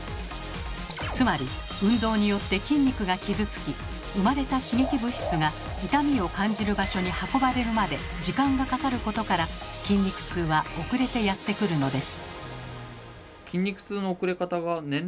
つまり運動によって筋肉が傷つき生まれた刺激物質が痛みを感じる場所に運ばれるまで時間がかかることから筋肉痛は遅れてやってくるのです。